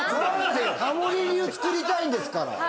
タモリ流作りたいんですから。